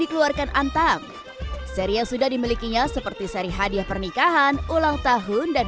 dikeluarkan antam seri yang sudah dimilikinya seperti seri hadiah pernikahan ulang tahun dan